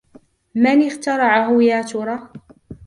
من اخترعه يا ترى ؟